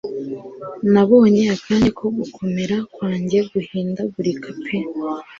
Nabonye akanya ko gukomera kwanjye guhindagurika pe